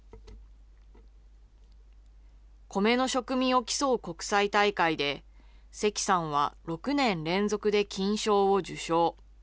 米の食味を競う国際大会で、関さんは６年連続で金賞を受賞。